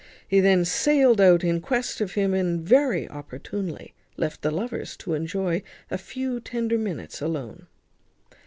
He then sallied out in quest of him, and very opportunely left the lovers to enjoy a few tender minutes alone.